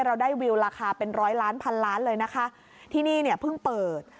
เราได้วิวราคาเป็นร้อยล้านพันล้านเลยนะคะที่นี่เนี่ยเพิ่งเปิด